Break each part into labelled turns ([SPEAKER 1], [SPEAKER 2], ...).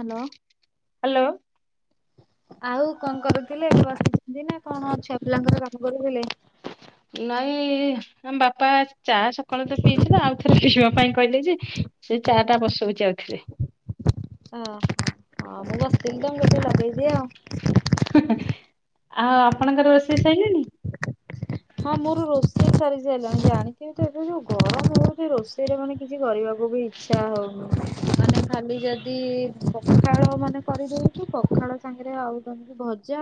[SPEAKER 1] Hello.
[SPEAKER 2] Hello.
[SPEAKER 1] ଆଉ କଁ କରୁଥିଲେ ବସିଛନ୍ତି ନାଁ କଣ ଛୁଆ ପିଲାଙ୍କର କାମ କରୁଥିଲେ?
[SPEAKER 2] ନାଇଁ ଆମ ବାପା ଚା ସକାଳୁ ତ ପିଇଥିଲେ ଆଉ ଥରେ ପିଇବା ପାଇଁ କହିଲେ ଯେ ସେ ଚାଟା ବସଉଚି ଆଉ ଥରେ।
[SPEAKER 1] ହଁ ହଁ ମୁଁ ବସିଥିଲି ତ ମୁଁ କନି ଟିକେ ଲଗେଇଦିଏ ଆଉ।
[SPEAKER 2] ଆଉ ଆପଣଙ୍କର ରୋଷେଇ ସଇଲାଣି।
[SPEAKER 1] [inaudible] ହଁ ମୋର ରୋଷେଇ ସରି ସାଇଲାଣି ଜାଣିଥିବି ତ ଏବେ ଯୋଉ ଗରମ ହଉଛି ରୋଷେଇରେ ମାନେ କିଛି କରିବାକୁ ବି ଇ ଇଚ୍ଛା ହଉ ମାନେ ଖାଲି ଯଦି ପଖାଳ ମାନେ କରିଦଉଛିୁ ପଖାଳ ସାଙ୍ଗରେ ଆଉ ତମେ କି ଭଜା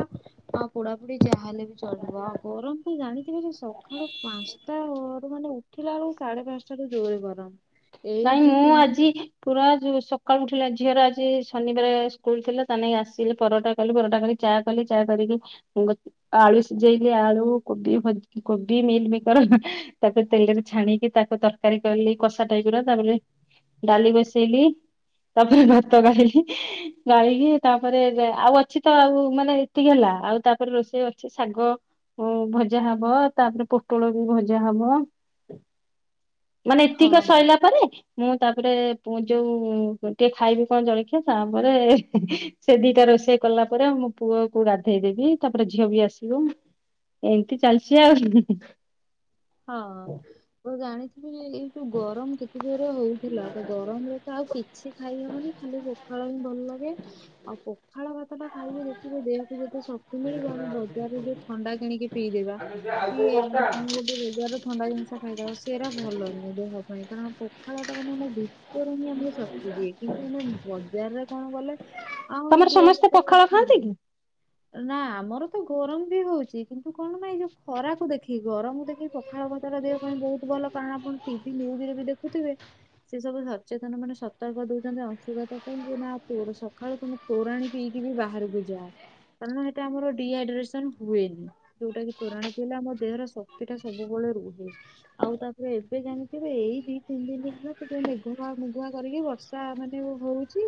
[SPEAKER 1] ଆଉ ପୋଡାପୁଡି ଯାହାଲେ ବି ଚଲିବ ଆଉ ଗରମ ତ ଜାଣିଥିବେ ଯେ ସକାଳୁ ପାନ୍ସା ଟା ଅରେ ମାନେ ଉଠିଲା ବେଳକୁ ସାଢେ ପାନ୍ସ ଟା ରୁ ଜୋରେ ଗରମ ଏଇ
[SPEAKER 2] ନାଇଁ
[SPEAKER 1] ଦି
[SPEAKER 2] ମୁଁ
[SPEAKER 1] ତିନି
[SPEAKER 2] ଆଜି
[SPEAKER 1] ଦିନ
[SPEAKER 2] ପୁରା ଯୋଉ ସକାଳୁ ଉଠିଲା ଝିଅର ଆଜି ଶନିବାର ସ୍କୁଲ ଥିଲା ତା ନାଗି ଆସିଲି ପରଟା କଲି ପରଟା କରି ଚା କଲି ଚା କରିକି ଉ ଗ ଆଳୁ ସିଝେଇଲି ଆଳୁ କୋବି ଭଯ କୋବି ମିଲମିକର ତାକୁ ତେଲରେ ଛାଣିକି ତାକୁ ତର୍ କାରୀ କଲି କଷା ଟାଇପ ର ତାପରେ ଡାଲି ବସେଇଲି। ତାପରେ ଭାତ ଗାଳିଲୀ। ଗାଳିକି ତାପରେ ଯା ଆଉ ଅଛି ତ ଆଉ ମାନେ ଏତିକି ହେଲା ଆଉ ତାପରେ ରୋଷେଇ ଅଛି ଶାଗ ଉଁ ଭଜା ହବ ତାପରେ ପୋଟଳ ବି ଭଜା ହବ। ମାନେ
[SPEAKER 1] ହଁ
[SPEAKER 2] ଏତିକ ସଇଲା ପରେ ମୁଁ ତାପରେ ପୁ ଯୋଉ ପ ଟିକେ ଖାଇବି କଣ ଜଳଖିଆ ତାପରେ ସେ ଦିଟା ରୋଷେଇ କଲା ପରେ ମୋ ପୁଅ କୁ ଗାଧେଇ ଦେବି ତାପରେ ଝିଅ ବି ଆସିବ। ଏମତି ଚାଲିଛି ଆଉ।
[SPEAKER 1] ହଁ ତ ଜାଣିଥିବେ ଯେ ଏଇ ଯୋଉ ଗରମ କେତେ ଜୋରେ ହଉଥିଲା ତ ଗରମରେ ଆଉ କିଛି ଖାଇହବନି ଖାଲି ପଖାଳ ହିଁ ଭଲ ଲାଗେ ଆଉ ପଖାଳ ଭାତ ଟା ଖାଇବା ଦେଖିବେ ଦେହକୁ ଯେତେ ଶକ୍ତି ମିଳିବ ଆମେ ବଜାରରେ ଯୋଉ ଥଣ୍ଡା କିଣିକି ପିଇଦେବା
[SPEAKER 2] [unintelligible]
[SPEAKER 1] କି ବଜାର ର ଥଣ୍ଡା ଜିନିଷ ଖାଇଦବା ସେଇଟା ଭଲ ନୁହେଁ ଦେହ ପାଇଁ କାରଣ ପଖାଳଟା ମାନେ ଆମ କୁ ହିଁ ଆମକୁ ଶକ୍ତି ଦିଏ କିନ୍ତୁ ଆମେ ବଜାରରେ କଣ କଲେ ଆଉ
[SPEAKER 2] ତମର
[SPEAKER 1] ଦେହ
[SPEAKER 2] ସମସ୍ତେ
[SPEAKER 1] ଭିତରେ
[SPEAKER 2] ପଖାଳ ଖାଆନ୍ତି କି
[SPEAKER 1] [unintelligible] ନା ଆମର ତ ଗରମ ବି ହୋଉଛି କିନ୍ତୁ କଣ ପାଇଁ ଯୋଉ ଖରାକୁ ଦେଖି ଗରମ କୁ ଦେଖିକି ପଖ ପଖାଳ କଂଶା ରେ ଦେହ ପାଇଁ ବହୁତ ଭଲ କାରଣ ଆପଣ ଟିଭି ନିଉଜରେ ବି ଦେଖୁଥିବେ ସେ ସବୁ ସଚେତନ ମାନେ ସତର୍କ ଦଉଛନ୍ତି ଅଂଶୁଘାତ ପାଇଁ କି ନା ତୋର ସକାଳୁ ତମେ ତୋରାଣି ପିଇକି ବି ବାହାରକୁ ଯା। କାରଣ ହେଟା ଆମର ଡିହାଇଡ୍ରେସନ ହୁଏନି ଯୋଉଟାକି ତୋରାଣି ପିଇଲେ ଆମ ଦେହର ଶକ୍ତିଟା ସବୁବେଳେ ରୁହେ। ଆଉ ତାପରେ ଏବେ ଜାଣିଥିବେ ଏଇ ଦି ତିନି ଦିନ ହେଲା ସେ ତ ମେଘୁଆ ମେଘୁଆ କରିକି ବର୍ଷି ର୍ଷା ମାନେ ହୋଉଛି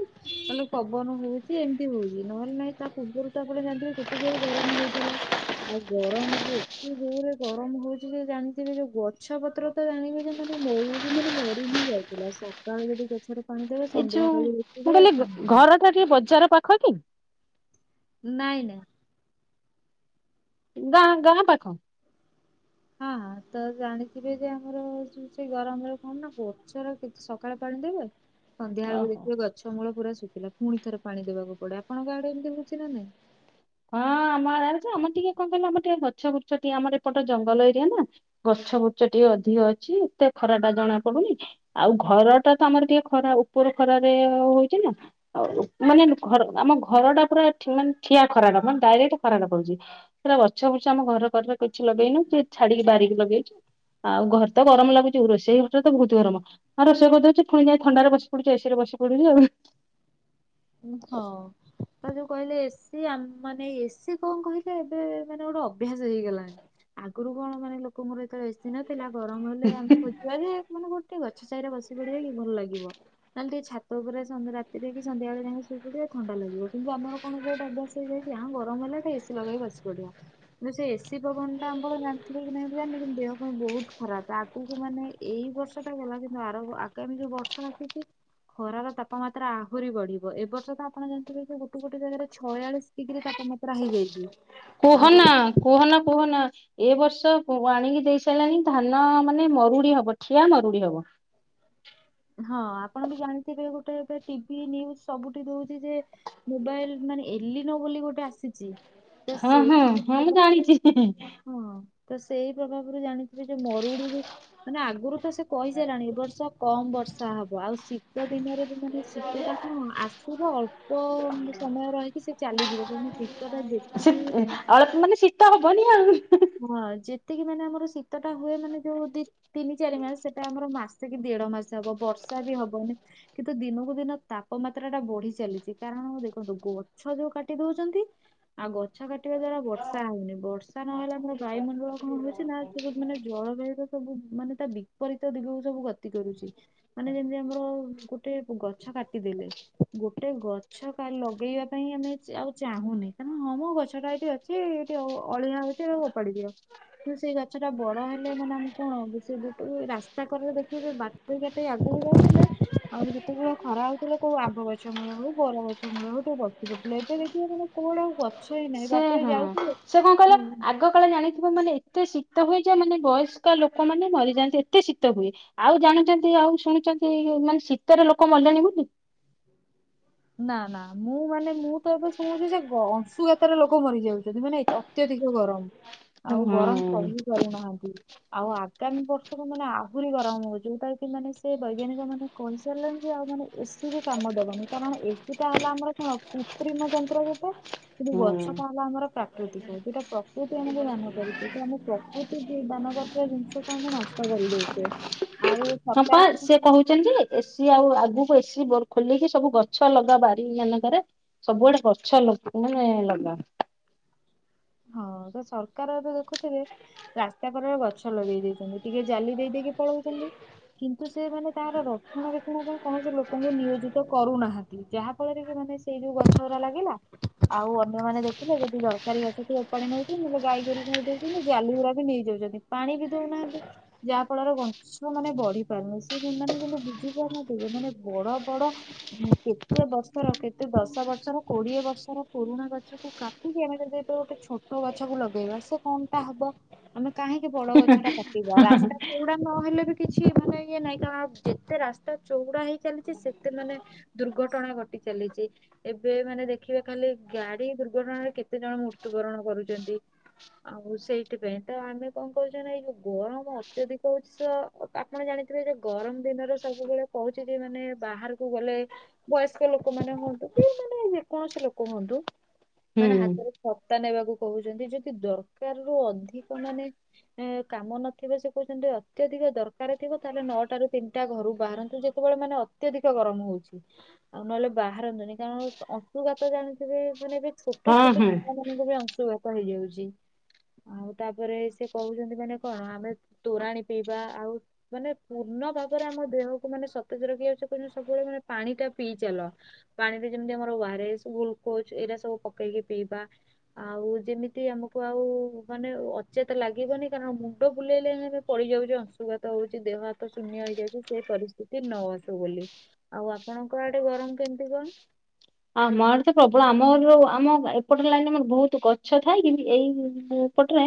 [SPEAKER 1] ମାନେ ପବନ ହଉଛି ଏମିତି ହୋଉଛି ନହେଲେ ନାଇଁ ତାପୂର୍ବରୁ ରୁ ଆପଣ ଜାଣିଥିବେ କେତେ ଯୋରେ ଗରମ ହଉଥିଲା ଆଉ ଗରମ ଯେ ଏତେ ଜୋରେ ଗରମ ହଉ ଚି ଯେ ଜାଣିଥିବେ ଯୋଉ ଗଛ ପତ୍ର ତ ଜାଣିବେ ଯେ ମାନେ ମଉଳି ମାନେ ମରିହିଁ ଯାଇଥିଲା ସ ସକାଳେ ଯଦି ଗଛରେ ପାଣିଦେବେ
[SPEAKER 2] ଏ
[SPEAKER 1] ସନ୍ଧ୍ୟା
[SPEAKER 2] ଯୋଉ
[SPEAKER 1] ବେଳେକୁ
[SPEAKER 2] ମୁଁ
[SPEAKER 1] ଦେଖିବେ ଆଉ
[SPEAKER 2] କହିଲି
[SPEAKER 1] ପାଣି
[SPEAKER 2] ଟା ଘର ଟିକେ ବଜାର ପାଖକି?
[SPEAKER 1] ନାଇଁ ନାଇଁ।
[SPEAKER 2] ଗାଁ ଗାଁ ପାଖ।
[SPEAKER 1] ହଁ ହଁ ତ ଜାଣିଥିବେ ଯେ ଆମର ଯୋଉ ସେ ଗରମରେ କଣ ନା ଗଛର କି ସକାଳେ ପାଣି ଦେଇବେ ସନ୍ଧ୍ୟାବଳକୁ
[SPEAKER 2] ଓହୋ।
[SPEAKER 1] ଦେଖୀବେ ଗଛମୂଳ ପୁରା ଶୁଖିଲା ପୁଣିଥରେ ପାଣି ଦେବାକୁ ପଡେ ଆପଣ ଆଡେ ଏମିତି ହଉଛି ନା ନାଇଁ।
[SPEAKER 2] ହଁ ଆମଆଡେ ରେଜେ ଆମର ଟିକେ କଣ କହିଲ ଆମର ଟିଏ ଗଛ ଫଛ ଟିଏ ଆମର ଏପଟେ ଜଙ୍ଗଲ ଏରିଆନା ଗଛ ବ୍ରୁଛ ଟିକେ ଅଧିକ ଅଛି ଏତେ ଖରାଟା ଜଣା ପଡୁନି। ଆଉ ଘରଟା ତମର ଟିକେ ଖରା ଉପର ଖରାରେ ହ ହ ହଉଚିନା। ଆଉ ମାନେ ଲୁ ଘର ଆମ ଘରଟା ପୁରା ଠିଁ ମାନ୍ ଠିଆ ଖରାଟା ମାନେ ଡାଇରେକ୍ଟ ଖରାଟା ପଡୁଚି। ପୁରା ଗଛ ବୃଛ ଆମ ଘର କଡରେ କିଛି ଲଗେଇନୁ କିଏ ଛାଡିକି ବାରିକି ଲଗେଇଚୁ। ଆଉ ଘର୍ ତ ଗରମ ଲାଗୁଚି ରୋଷେଇ ଘରଟା ତ ଭୋଉତୁ ଗରମ। ଆଉ ରୋଷେଇ କରିଦଉଚି ଫୁଣି ଯାଇଁ ଥଣ୍ଡାରେ ବସି ପଡୁଚି ଏ ସି ରେ ବସି ପଡୁଚି ଆଉ।
[SPEAKER 1] ଉଁ ହଁ। ଆପଣ ଯୋଉ କହିଲେ ଏ ସିି ଆମ୍ ମାନେ ଏ ସି କଁ କହିଲେ ଏବେ ମାନେ ଗୋଟେ ଅଭ୍ୟାସ ହେଇଗଲାଣି। ଆଗୁରୁ କଣ ମାନେ ଲୋକଙ୍କର ଯେତେବେଳେ ଏ ସି ନଥିଲା ଗରମ ହେଲେ ଆମ୍ [unintelligible] ଯାହା ବି ହେଲେ ମାନେ ଗୋଟେ ଗଛ ଛାଇରେ ବସି ପଡିବା କି ଭଲ ଲାଗିବ। ନହେଲେ ଟିକେ ଛାତ ଉପରେ ସନ୍ଧ୍ ରାତିରେ କି ସନ୍ଧ୍ୟାବେଳେ ଯାଇଁକି ଶୋଇ ପଡିବା ଥଣ୍ଡା ଲାଗିବ କିନ୍ତୁ ଆମର କଣ ଯେ ଗୋଟେ ଅଭ୍ୟାସ ହେଇଯାଇଛି ଯା ମ ଗରମ ହେଲେ ଗୋଟେ ଏ ସି ଲଗେଇକି ବସି ପଡିଆ। କିନ୍ତ ସେ ଏ ସି ପଭନଟା ଆଁପଣ ଜାଣିଥିବେ କି ନାହିଁ ମୁଁ ତା ଜାଣିନି କିନ୍ତୁ ଦେହ ପାଇଁ ବୋହୁତ ଖରାପ ଆଗୁକୁ ମାନେ ଏଇ ବର୍ଷଟା ଗଲା କିନ୍ତୁ ଆର ଗ ଆଗାମୀ ଯୋଉ ବର୍ଷା ଆସୁଚି ଖରାର ତାପମାତ୍ରା ଆହୁରି ବଢି ବ ଏ ବର୍ଷ ତ ଆପଣ ଜାଣିଥିବେ ଯେ ଗୋଟେ ଗୋଟେ ଜାଗାରେ ଛୟାଳିଶ ଡିଗ୍ରୀ ତାପମାତ୍ରା ହେଇଯାଇଚି।
[SPEAKER 2] କୁହନା କୁହନା କୁହନା। ଏ ବର୍ଷ ୱ ୱାଣିଙ୍ଗି ଦେଇ ସାଇଲାଣି ଧାନ ମାନେ ମରୁଡି ହବ ଠିଆ ମରୁଡି ହବ।
[SPEAKER 1] ହଁ ଆପଣ ବି ଜାଣିଥିବେ ଗୋଟେ ଏବେ ଟିଭି ନ୍ୟୁଜ୍ ସବୁଠି ଦଉଛି ଯେ ମୋବାଇଲ୍ ମାନେ ଏଲିନୋ ବୋଲି ଗୋଟେ ଆସିଚି।
[SPEAKER 2] ହଁ ହଁ ହଁ ମୁଁ ଜାଣିଚି ହିଁ ହିଁ।
[SPEAKER 1] ହଁ ତ ସେଇ ପ୍ରଭାବରୁ ଜାଣିଥିବେ ଯେ ମରୁଡିରୁ ମାନେ ଆଗୁରୁ ତ ସେ କହି ସାଇଲାଣି ଏ ବର୍ଷ କମ୍ ବର୍ଷା ହବ ଆଉ ଶୀ ଶୀତ ଦିନରେ ବି ମାନେ ଶୀତଟା କଁ ଆସିବ ଅଳ୍ପ ଉଁ ସମୟ ରହିକି ସେ ଚାଲିଯିବ କିନ୍ତୁ ଶୀ ତଟା ଯେତି
[SPEAKER 2] ଶୀତ୍ ଉଁ ଅଳପ୍ ମାନେ ଶୀ ତା ଭଲିଆ ଆଉ ଉଁ ହୁଁ ହୁଁ।
[SPEAKER 1] ହଁ ଯେତିକି ମାନେ ଆମର ଶୀତଟା ହୁଏ ମାନେ ଯୋଉ ଦି ତିନି ଚାରି ମାସ ସେଟା ଆମର ମାସେ କି ଦେଢ ମାସେ ହବ ବର୍ଷା ବି ହବନି। କିନ୍ତୁ ଦିନକୁ ଦିନ ତାପମାତ୍ରାଟା ବଢି ଚାଲିଛି କାରଣ ଦେଖନ୍ତୁ ଗଛ ଯୋଉ କାଟି ଦଉଛନ୍ତି ଆଉ ଗଛ କାଟିବା ଦ୍ଵାରା ବର୍ଷା ହଉନି ବର୍ଷା ନହେଲେ ଆମର ବାୟୁମଣ୍ଡଳ କଁ ହଉଛି ନା ସବୁ ମାନେ ଜ ଳ ବାୟତ ସବୁ ମାନେ ତା ବିପରୀତ ଦିଗକୁ ସବୁ ଗତି କରୁଛି। ମାନେ ଯେନ୍ତି ଆମର ଗୋଟେ ଗଛ କାଟିଦେଲେ ଗୋଟେ ଗଛ କା ଲଗେଇବା ପାଇଁ ଆମେ ଚେ ଆଉ ଚାହୁଁନେ କାରଣ ହଁ ମ ଗଛଟା ଏଇଠି ଅଛି ଏଇଠି ଅ ଅଳିଆ ହଉଛି ସବୁ ଓପାଡି ଦିଅ। ହଁ ସେଇ ଗ ଛଟା ବଡ ହେଲେ ମାନେ ଆମୁକୁ କଣ ବ ସେ ଗୋଟେ ରାସ୍ତା କରରେ ଦେଖିବେ ବାଟୁକୁ କାଟେଇ ଆଗୁକୁ ଗଢିଥିଲେ ଆହୁରି ଯେତେବେଳେ ଖରା ହଉଥିଲା କୋଉ ଆମ୍ବ ଗଛ ମୂଳେ ହଉ ବର ଗଛ ମୂଳେ ହଉ ଟିକେ ବ [unintelligible] ନାଇଁ ତ ଦେଖିବା କାମ କୁଆଡେ ଆଉ ଜ
[SPEAKER 2] ସେ ହଁ ସେ କଁ କହିଲେ ଆ ଗ କାଳରେ ଜାଣିଥିବ ମାନେ ଏତେ ଶୀତ ହୁଏ ଯେ ମାନେ ବୟସ୍କା ଲୋକମାନେ ମରିଯାଆନ୍ତି ଏତେ ଶୀତ ହୁଏ। ଆଉ ଜାଣୁଛନ୍ତି ଆଉ ଶୁଣୁଛନ୍ତି ମାନେ ଶୀତରେ ଲୋକ ମଲେଣି ବୋଲି।
[SPEAKER 1] ନା ନା ମୁଁ ମାନେ ମୁଁ ତ ଏବେ ଶୁଣୁଛି ସେ ଗ ଅଂଶୁଘାତରେ ଲୋକ ମରିଯାଉଛନ୍ତି ମାନେ ଏତ୍ ଅତ୍ୟଧିକ ଗରମ।
[SPEAKER 2] ହୁଁ
[SPEAKER 1] ଆଉ ଗରମ ସହି ପାରୁନାହାନ୍ତି। ଆଉ ଆଗାମୀ ବର୍ଷେରେ ମାନେ ଆହୁରି ଗରମ ହବ ଯୋଉତା କି ମାନେ ସେ ବୈଜ୍ଞାନିକମାନେ କହି ସାରଲେଣି ଯେ ଆଉ ମାନେ ଏ ସି ବି କାମ ଦବନି। କାରଣ ଏଠି ତ ହେଲା ଆମର କଣ କୃତ୍ରିମ ଯନ୍ତ୍ର ଗଟେ କିନ୍ତୁ
[SPEAKER 2] ହୁଁ।
[SPEAKER 1] ଗଛ ଟା ହେଲା ଆମର ପ୍ରାକୃତିକ ଯୋଉଟା ପ୍ରକୃତି ଆମକୁ ଦାନ କରୁଛି ତ ଆମ ପ୍ରକୃତି ଦାନ କରିୁଥିବା ଜିନିଷ ମେ ନାସ୍ଟ କରିଦୋଉଛୁ।
[SPEAKER 2] ହଁ ପା ସେ କୋହୁଚନ୍ତି। ଏସିି ଆଉ ଆଗକୁ ଏସି ଖୋଲିକି ସବୁ ଗଛ ଲଗବାରି ମାନଙ୍କରେ। ସବୁଆଡେ ଗଛ ଲଗ ମାନେ ଲଗା
[SPEAKER 1] ହଁ ତ ସରକାର ଏବେ ଦେଖୁଥିବେ ରାସ୍ତା ପରେ ଗଛ ଲଗେଇ ଦେଇେଇଛନ୍ତି ଟିକେ ଜାଲି ଦେଇ ଦେଇେଇକି ପଳୋଉଛନ୍ତି କିନ୍ତୁ ସେମାନୋନ ତାର ରକ୍ଷଣା ବ୍ୟକ୍ଷଣ ପାଇଁ କୈାଣସି ଓହୋ ନିୟୋଜିତ କରୁନାହାନ୍ତି ଯାହା ଫଳରେ କି ମାନେ ସେଇ ଯୋଉ ଗଛ ଉରା ଲାଗିଲା ଆଉ ଅନ୍ୟମାନୋନେ ଦେଖିଲେ ଯଦି ଦରକାରୀ ଗଛ ପାଣି ନେଉଛି ନହେଲେ ଗାଈ ଗୋରି ଘ ଦଉଛନ୍ତି ଜାଲଗୁୁରା ବି ନେଇଯାଉଛନ୍ତି ପାଣି ବି ଦଉନାହାନ୍ତି। ଯାହା ଫଳରେ ବଞ୍ଚ୍ ଛ ମାନେ ବଢିରୁନି ସେ ମାନେ କିନ୍ତୁ ବୁଝି ପାରୁନାନ୍ତି ଏମାନେ ବଡ ବଡ କେତେ ବର୍ଷର କେତେ ଦଶ ବର୍ଷର କୋଡିଏ ବର୍ଷର ପୁରୁଣା ଗଛକୁ କାଟିକି ଆମେ ଯଦି ଗୋଟେ ଛୋଟ ଗଛକୁୁ ଲଗେଇବା ସେ କଣ ଟା ହବ ଆମେ କାହିଁକି ବଡ ଗଛ ଟା କା ରାସ୍ତା ଚଉଡା ନହେଲେ ବି କିଛି ମାନେ ଇଏ ନାହିଁ କାରଣ ଯେତେ ରାସ୍ତା ଚଉଡା ହେଇ ଚାାଲିଛି ସେ ଏତେ ମାନେ ଦୁର୍ଘଟଣା ଘଟି ଚାଲିଛି। ଏବେ ମାନେ ଦେଖିବେ ଖାଲି ଗାଡି ଦୁର୍ଘଟଣାରେ କେତେ ଜଣ ମୃତ୍ୟୁବରଣ କରୁଚନ୍ତି। ଆଉ ସେଇଥିପାଇଁ ତ ଆମେ କଣ କରୁଛେ ନା ଏଇ ଯୋଉ ଗରମ ଅତ୍ୟଧିକ ହୋଉଛି ସ ଆପଣ ଜାଣିଥିବେ ଯେ ଗରମ ଦିନରେ ସବୁବେଳେ କହୁଛି ଯେ ମାନେ ବାହାରକୁ ଗଲେ ବୟସ୍କ ଲୋକମାନୋନେ ହୁଅନ୍ତୁ କି ମାନେ ଯେକୌଣସି ଲୋକ ହୁଅନ୍ତୁ
[SPEAKER 2] ହୁଁ
[SPEAKER 1] ମାନେ ହାତରେ ସତ୍ତା ନେବାକୁ କୋହୁଛନ୍ତି ଯଦି ଦର୍କାର୍ ରୁ ଅଧିକ ମାନେ କାମ ନଥିବ ସେ କୋହୁଛନ୍ତି ଅତ୍ୟଧିକ ଦରକାର ଥିବ ତାହେଲେ ନଅଟା ରୁ ତିନିଟା ଘରୁ ବାହାରନ୍ତୁ ଯେ ସେତେବେଳେ ମାନେ ଅତ୍ୟଧିକ ଗରମ ହୋଉଛି। ଆଉ ନହେଲେ ବାହାରନ୍ତୁନି କାରଣ ଅଂଶୁଘାତ ଜାଣିଥିବେ ମାନେ ଏବେ ଛୋଟ
[SPEAKER 2] ହଁ
[SPEAKER 1] ଛୋଟ
[SPEAKER 2] ହଁ
[SPEAKER 1] ମାନଙ୍କୁ ବି ଅଂଶୁଘାତ ହେଇଯାଉଛି। ଆଉ ତାପରେ ସେ କୋହୁଛନ୍ତି ମାନେ କଣ ଆମେ ତୋରାଣ ପିଇବା ଆଉ ମାନେ ପୂର୍ଣ୍ଣ ଭାବରେ ଆମ ଦେହକୁ ମାନେ ସତେଜ ରଖିବା ସେ କୋଛ ସବୁବେଳେ ମାନେ ପାଣି ଟା ପିଇଚାଲ। ପାଣିରେ ଯେମିତି ଆମର ୱାରସ୍ ଗ୍ଲୁକୋଜ୍ ଏଇରା ସବୁ ପକେଇକି ପିଇବା। ଆଉ ଯେମିତି ଆମକୁ ଆଉ ମାନେ ଅଚେତା ଲାଗିବନି କାରଣ ମୁଣ୍ଡ ବୁଲେଇଲେ ଆ ପଡିଯାଉଛି ଅଂଶୁଘାତ ହୋଉଛି ଦେହ ହାତ ଶୂନ୍ୟ ହେଇଯାଉଛି ସେ ପରିସ୍ଥିତି ନ ଆସୁ ବୋଲି। ଆଉ ଆପଣଙ୍କ ଆଡେ ଗରମ କେମିତି କଣ୍।
[SPEAKER 2] ଆମ ଆଡେ ତ ପ୍ରୋବଳ ଆମ ଆମ ଏପଟରେ ଲାଇନ୍ ଆମର ବୋହୁତ୍ ଗଛ ଥାଏ ଏଇ ଏପଟରେ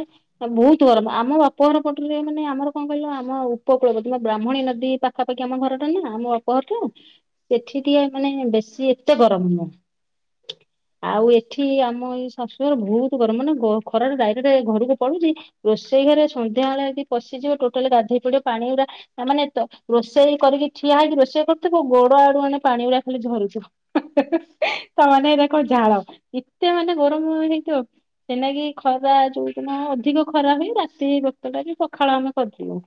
[SPEAKER 2] ବୋହୁତ୍ ଗରମ୍ ଆମ ବାପଘର ପଟରେ ମାନେ ଆମର କଣ କହିଲ ଆମ ଉପକୁଳବତୀ ବ୍ରାହ୍ମଣୀ ନଦୀ ପା ପାଖାପାଖି ଆମ ଘରଟା ନା ଆମ ଅପହର ଟ ସେଠି ଟିକେ ମାନେ ବେଶୀ ଏତେ ଗରମ ହୁ ହୁଁ। ଆଉ ଏଠି ଆମ ଏଇ ଶାଶୁ ଘର ବହୁତ ଗରମ ମାନେ ଖରଟ ଡାଇରେକ୍ଟ ଘରକୁ ପଡୁଚି। ରୋଷେଇ ଘରେ ସନ୍ଧ୍ୟାବେେଳେ ଯଦି ପଶିଯିବ ଟୋଟାଲି ଗାଧୋଇ ପଡିବ ପାଣି ଗୁଡା ମାନେ ତ ରୋଷେଇ କରିକି ଠିଆ ହେଇକି ରୋଷେଇ କରୁଥିବ ଗୋଡ ଆଡୁ ମାନେ ପାଣି ଗୁରା ଖାଲି ଝରୁଥିବ। ତା ମାନେ ଏରାକ ଝାଳ ଏତେ ମାନେ ଗରମ ହେଇଥିବ। ସେଇନାଗି ଖରା ଯୋଉଦିନ ଅଧିକ ଖରା ହୁଏ ରାତି ବକ୍ତଟା ବି ପଖାଳ ଆମେ କରିିବୁ।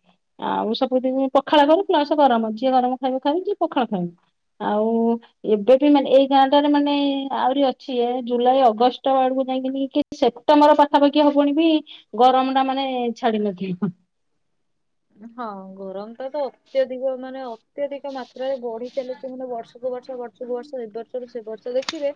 [SPEAKER 2] ଆଉ ସବୁଦିନ ପଖାଳ କରୁ ପ୍ଲସ୍ ଗରମ। ଯିଏ ଗରମ ଖାଇବ ଖାଇବ ଯିଏ ପଖାଳ ଖାଇବ। ଆଉ ଏବେ ଠୁ ଏମାନେ ଏଇ ଗାଁ ଟାରେ ମାନେ ଆହୁରି ଅଛି ଜୁଲାଇ ଅଗଷ୍ଟ ବେଳକୁ ଯାଇକି କି ସେ ଅମର ପାଖାପାଖିଆ ହବଣି ବି ଗରମ୍ ଟା ମାନେ ଛାଡି ନଥିବ।
[SPEAKER 1] ହଁ ଗରମ ତ ତ ଅତ୍ୟଧିକ ମାନେ ଅତ୍ୟଧିକ ମାତ୍ରାରେ ବଢି ଚାଲିଛି ମାନେ ବର୍ଷକୁ ବର୍ଷ। ସବୁ ବର୍ଷ ଏ ବର୍ଷରୁ ସେ ବର୍ଷ ଦେଖିବେ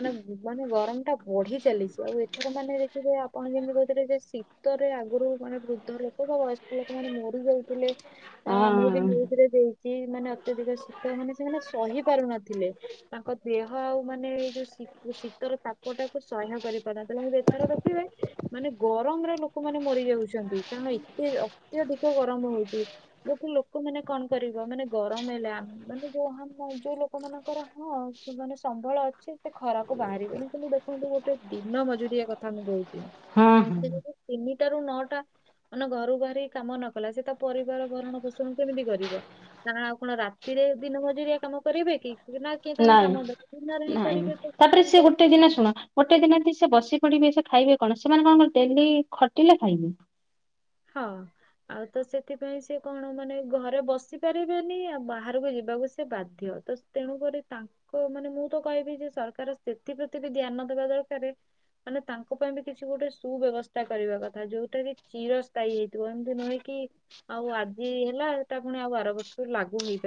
[SPEAKER 1] ମାନେ ମାନେ ଗରମ ଟା ବଢି ଚାଲିଛି ଆଉ ର ମାନେ ଦେଖିବେ ଆପଣ ଯେମିତି କହିଥିଲେ ଯେ ଶୀତରେ ଆଗରୁ ମାନେ ବୃଦ୍ଧ ଲୋକ ବା ବୟସ୍କ ଲୋକ ଲୋକମାନେ ମରି ଯାଉଥିଲେ। ଅ ମୁଁ ବି
[SPEAKER 2] ହଁ
[SPEAKER 1] [unintelligible] ଦେଇ ସିଏ ମାନେ ଅତ୍ୟଧିକ ଶୀତ ମାନେ ସେମାନେ ସହି ପାରୁନଥିଲେ। ତାଙ୍କ ଦେହ ଆଉ ମାନେ ଏଇ ଯୋଉ ଶି ସିପୁ ଶୀତର ତାପଟାକୁ ସହ୍ୟ କରିପାରୁନା। ତାଲେ ଏଥର ଦେଖିବେ ମାନେ ଗରମରେ ଲୋକ ମାନେ ମରି ଯାଉଛନ୍ତି କାରଣ ଏତେ ଅତ୍ୟଧିକ ଗରମ ହଉଛି। ଜୋ ଲୋକ ମାନେ କଣ କରିବ ମାନେ ଗରମ ହେଲେ ମାନେ ଯୋଉ [unintelligible] ଯୋଉ ଲୋକ ମାନଙ୍କର ହଁ। ସେମାନେ ସମ୍ବଳ ଅଛି ସେ ଖରାକୁ ବାହାରିବେନି। କିନ୍ତୁ ଦେଖନ୍ତୁ ଗୋଟେ ଦିନ ମଜୁରିଆ କଥା ମୁଁ କହୁଛି ନା। ସେ
[SPEAKER 2] ହଁ
[SPEAKER 1] ତିନିଟା ରୁ ନଅଟା ମାନେ ଘରୁ ବାହାରି କାମ ନ କଲା ସେ ତା ପରିବାର ଭରଣ ପୋଷଣ କେମିତି କରିବ। କଣ ଆଉ କଣ ରାତିରେ ଦିନ ମଜୁରିଆ କାମ କରିବେ କି? ନା କିଏ ତାଙ୍କୁ
[SPEAKER 2] ନାଇଁ
[SPEAKER 1] କାମ ଦବ। ଦିନରେ ହିଁ
[SPEAKER 2] ନାଇଁ
[SPEAKER 1] କରିବେ ତ କିଏ
[SPEAKER 2] ତାପରେ
[SPEAKER 1] କଣ
[SPEAKER 2] ସେ ଗୋଟେ
[SPEAKER 1] କରୁଛନ୍ତି।
[SPEAKER 2] ଦିନ ଶୁଣ ଗୋଟେ ଦିନ ଦି ସେ ବସି ପଡିବେ ସେ ଖାଇବେ କଣ। ସେମାନେ କଣଙ୍କର ଡେଲି ଖଟିଲେ ଖାଇବେ।
[SPEAKER 1] ହଁ। ଆଉ ତ ସେଥିପାଇଁ ସେ କଣ ମାନେ ଘରେ ବସି ପାରିବେନି ଆଉ ବାହାରକୁ ଯିବାକୁ ସେ ବାଧ୍ୟ। ତ ତେଣୁକରି ତାଙ୍କ ମାନେ ମୁଁ ତ କହିବି ଯେ ସରକାର ସେଥିପ୍ରତି ବି ଧ୍ୟାନ ଦେବା ଦରକାର। ମାନେ ତାଙ୍କ ପାଇଁ ବି କିଛି ଗୋଟେ ସୁବ୍ୟବସ୍ଥା କରିବା କଥା। ଯୋଉଟା କି ଚିର ଟାଇ ହେଇଥିବ ଏମିତି ନୁହେଁ କି ଆଉ ଆଜି ହେଲା ସେଟା ପୁଣି ଆଉ ବାର ବର୍ଷ ଲାଗୁ ହେଇଥି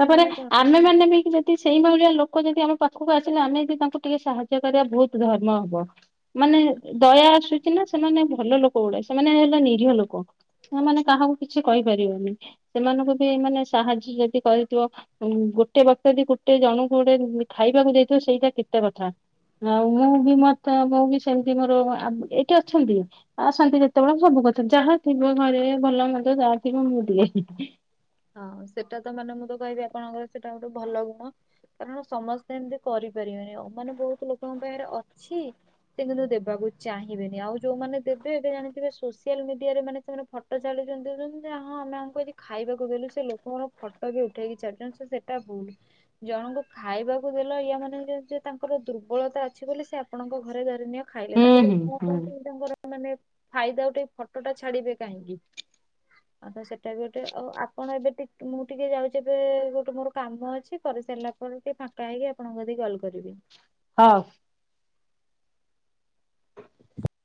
[SPEAKER 2] ତାପରେ ଆମେ ମାନେ ବି [unintelligible] ସେଇ ଭଳିଆ ଲୋକ ଯଦି ଆମ ପାଖକୁ ଆସିଲେ ଆମେ ଯଦି ତାଙ୍କୁ ଟିକେ ସାହାଯ୍ୟ କରିବା ବହୁତ ଧର୍ମ ହବ। ମାନେ ଦୟା ଆସୁଛି ନା ସେମାନେ ଭଲ ଲୋକ ଗୁଡା। ସେମାନେ ହେଲା ନିରୀହ ଲୋକ। ସେ ମାନେ କାହାକୁ କିଛି କହିପାରିବନି। ସେମାନଙ୍କୁ ବି ମାନେ ସାହାଯ୍ୟ ଯଦି କ ଗୋଟେ ବକ୍ତ ବି ଗୋଟେ ଜଣଙ୍କୁ ଗୋଟେ ଖାଇବାକୁ ଦେଇଥିବ ସେଇଟା କେତେ କଥା। ଆଉ ମୁଁ ବି ମତେ ମୁଁ ବି ସେମିତି ମୋର ଏଇଠି ଅଛନ୍ତି। ଆସନ୍ତି ଯେତେବେଳେ ସବୁ କଥା ଯାହା ଥିବ ଘରେ ଭଲ ମନ୍ଦ ଯାହା ଥିବ ମୁଁ ଦିଏ।
[SPEAKER 1] ହଁ ସେଟା ତ ମାନେ ମୁଁ ତ କହିବି ଆପଣଙ୍କର ସେଇଟା ଗୋଟେ ଭଲ ଗୁଣ। କାରଣ ସମସ୍ତେ ଏମିତି କରି ପାରିବେନି ଆଉ ମାନ ବହୁତ ଲୋକଙ୍କ ପାଖରେ ଅଛି। କିନ୍ତୁ ଦେବାକୁ ଚାହିଁବେନି। ଆଉ ଯୋଉମାନେ ଦେବେ ଏବେ ଜାଣିଥିବେ ସୋସିଆଲ ମିଡିଆରେ ମାନେ ସେମାନେ ଫଟ୍ ଚାଲିଛନ୍ତିିଁ [unintelligible] ହଁ ଆମେ ଆଙ୍କୁ ଖାଇବାକୁ ଦେଲୁ ସେ ଲୋକଙ୍କର ଫଟୋ ବି ଉଠେଇକି ଚାଡିଲ ସେଟା ଭୁଲ। ଜଣଙ୍କୁ ଖାଇବାକୁ ଦେଲ ୟା ମାନେ ଯ ତାଙ୍କର ଦୁର୍ବଳତା ଅଛି ବୋଲି ସେ ଆପଣଙ୍କ ଘରେ ଧରିନୀୟ ଖାଇଲେ।
[SPEAKER 2] ହୁଁ
[SPEAKER 1] ତାପରେ
[SPEAKER 2] ହୁଁ
[SPEAKER 1] କଣ କ
[SPEAKER 2] ହୁଁ
[SPEAKER 1] ତାଙ୍କର ମାନେ ଫାଇଦା ଗୋଟେ ଫଟୋଟା ଛାଡିବେ କାହିଁକି। ଆ ତ ସେଟା ବି ଗୋଟେ ଆଉ ଆ କଣ ଏବେ ଟି ମୁଁ ଟିକେ ଯାଉଛି ଏବେ ଗୋଟେ ମୋର କାମ ଅଛି। କରି ସାରା ପରେ ଟିକେ ଫା କାହିଁକି ଆପଣଙ୍କୁ କାଟିକି କଲ୍ କରିବି।
[SPEAKER 2] ହଁ।
[SPEAKER 1] [inaudible]